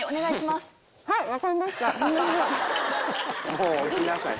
もう置きなさい！